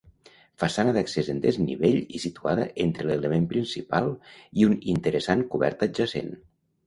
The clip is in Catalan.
Façana d'accés en desnivell i situada entre l'element principal i un interessant cobert adjacent.